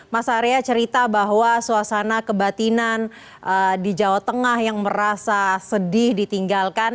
mas arya cerita bahwa suasana kebatinan di jawa tengah yang merasa sedih ditinggalkan